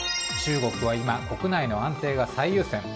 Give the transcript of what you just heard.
中国は今、国内の安定が最優先。